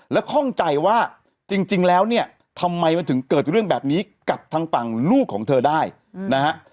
และข้องใจว่าจริงแล้วเนี่ยทำไมมันถึงเกิดเรื่องแบบนี้กับทางฝั่งลูกของเธอได้นะฮะ